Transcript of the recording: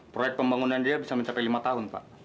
proyek pembangunan dia bisa mencapai lima tahun pak